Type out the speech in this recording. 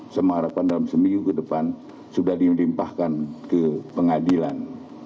semua harapan dalam seminggu ke depan sudah dilimpahkan ke pengadilan